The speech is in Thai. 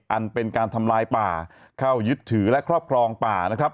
อันเป็นการทำลายป่าเข้ายึดถือและครอบครองป่านะครับ